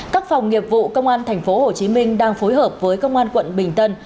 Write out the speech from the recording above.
các phòng nghiệp vụ công an tp hcm đang phối hợp với công an quận bình tân